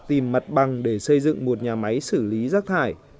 tìm mặt bằng để xây dựng một nhà máy xử lý rác thải